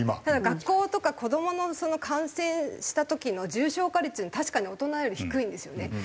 ただ学校とか子どもの感染した時の重症化率確かに大人より低いんですよね。